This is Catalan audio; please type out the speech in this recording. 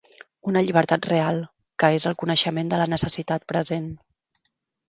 Una llibertat real, que és el coneixement de la necessitat present.